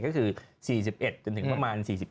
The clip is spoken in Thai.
ก็คือ๔๑จนถึงประมาณ๔๕นะครับ